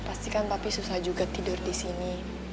pastikan papi susah juga tidur disini